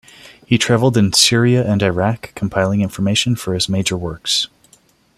He traveled in Syria and Iraq, compiling information for his major works.